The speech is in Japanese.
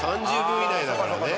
３０秒以内だからね。